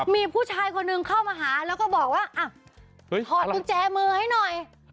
มีผู้ชายคนหนึ่งเข้ามาหาแล้วก็บอกว่าถอดกุญแจมือให้หน่อย